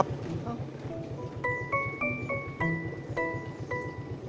pokoknya kamu bisa nelfon gue kapan aja